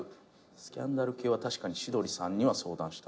スキャンダル系は確かに千鳥さんには相談した。